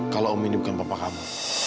kalau om ini bukan papa kamu